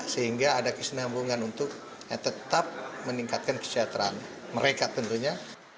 sehingga ada kesenambungan untuk tetap meningkatkan kesejahteraan mereka tentunya